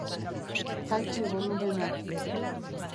Jaitsi bolumena.